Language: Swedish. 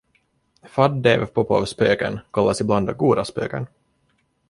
Faddeev-Popov-spöken kallas ibland "goda spöken".